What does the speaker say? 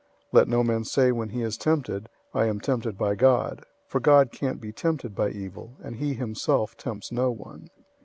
001:013 Let no man say when he is tempted, "I am tempted by God," for God can't be tempted by evil, and he himself tempts no one.